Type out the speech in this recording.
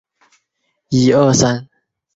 比埃什河畔阿普尔人口变化图示